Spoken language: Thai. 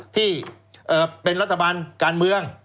ที่เป็นรัฐบาลการเมือง